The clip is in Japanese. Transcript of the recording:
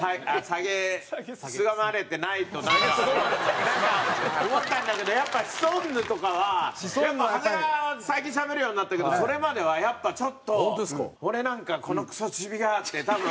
「さげすごまれて」？思ったんだけどやっぱシソンヌとかはやっぱ長谷川最近しゃべるようになったけどそれまではやっぱちょっと俺なんか「このクソチビが」って多分。